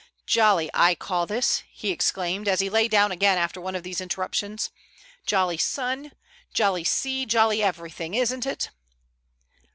"Jolly, I call this," he exclaimed, as he lay down again after one of these interruptions. "Jolly sun, jolly sea, jolly everything, isn't it?"